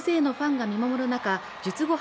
大勢のファンが見守る中、術後、